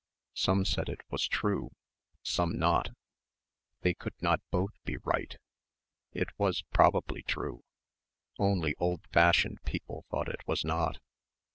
Some said it was true ... some not. They could not both be right. It was probably true ... only old fashioned people thought it was not.